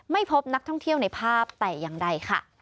ไม่พบนักท่องเที่ยวในภาพแต่อย่างใดค่ะ